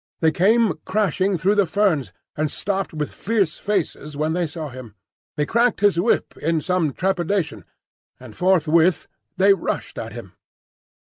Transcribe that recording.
They came crashing through the ferns, and stopped with fierce faces when they saw him. He cracked his whip in some trepidation, and forthwith they rushed at him.